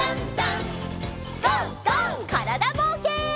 からだぼうけん。